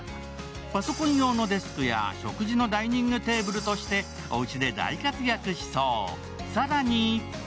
パソコン用のデスクや食事のダイニングテーブルとしておうちで大活躍しそう。